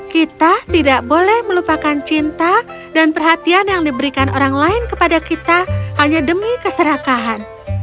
kita tidak boleh melupakan cinta dan perhatian yang diberikan orang lain kepada kita hanya demi keserakahan